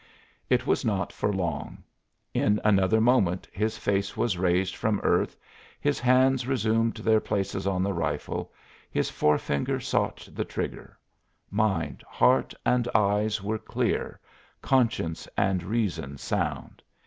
It was not for long; in another moment his face was raised from earth, his hands resumed their places on the rifle, his forefinger sought the trigger; mind, heart, and eyes were clear, conscience and reason sound.